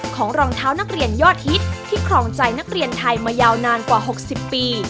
รองเท้านักเรียนยอดฮิตที่ครองใจนักเรียนไทยมายาวนานกว่า๖๐ปี